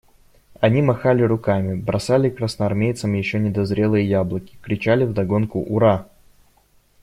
Они махали руками, бросали красноармейцам еще недозрелые яблоки, кричали вдогонку «ура».